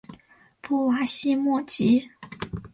布瓦西莫吉。